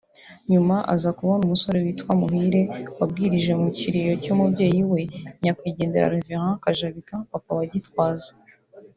nyuma aza kubona umusore witwa Muhire wabwirije mu kiriyo cy'umubyeyi we (nyakwigendera Rev Kajabika papa wa Gitwaza)